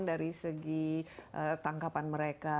dari segi tangkapan mereka